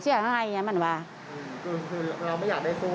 คือเราไม่อยากได้สู้หรอกนะครับ